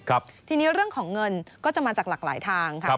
และเรื่องของเงินก็จะมาจากหลากหลายทาง